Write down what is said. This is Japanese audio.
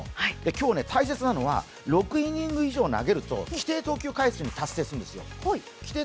今日、大切なのは６イニング以上投げると規定投球回数に達成するんです。